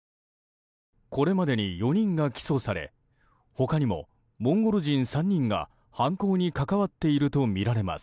これ前に４人が起訴され他にもモンゴル人３人が犯行に関わっているとみられます。